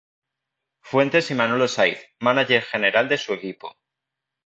Fuentes y Manolo Saiz, mánager general de su equipo.